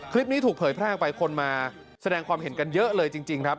คลิปนี้ถูกเผยแพร่ออกไปคนมาแสดงความเห็นกันเยอะเลยจริงครับ